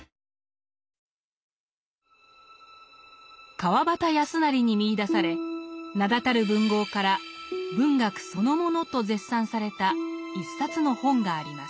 川端康成に見いだされ名だたる文豪から「文学そのもの」と絶賛された一冊の本があります。